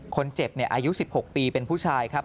คนเจ็บอายุ๑๖ปีเป็นผู้ชายครับ